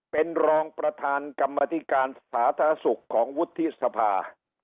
เป็นรองประธานกรรมธิการสาธารณสุขของวุฒิสภา